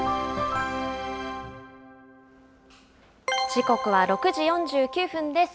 時刻は６時４９分です。